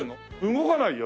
動かないよ